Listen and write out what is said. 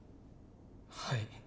はい。